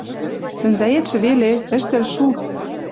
Сӹнзӓэтшӹ веле... ӹштӹл шу.